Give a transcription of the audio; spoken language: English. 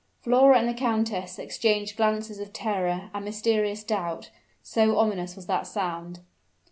Flora and the countess exchanged glances of terror and mysterious doubt, so ominous was that sound.